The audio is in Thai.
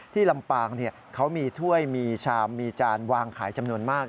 ลำปางเขามีถ้วยมีชามมีจานวางขายจำนวนมาก